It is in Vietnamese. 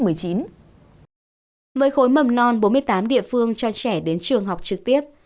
với khối mầm non bốn mươi tám địa phương cho trẻ đến trường học trực tiếp